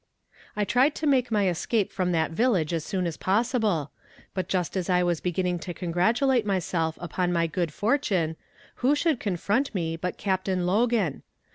I tried to make my escape from that village as soon as possible, but just as I was beginning to congratulate myself upon my good fortune, who should confront me but Captain Logan.